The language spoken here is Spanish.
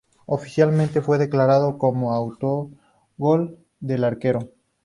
Oficialmente fue declarado como autogol del arquero.